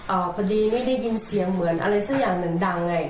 แล้วก็พอดีนี่ได้ยินเสียงเหมือนอะไรสักอย่างหนึ่งดัง